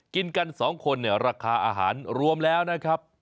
กินกันสองคนราคาอาหารรวมแล้วนะครับ